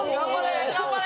頑張れ！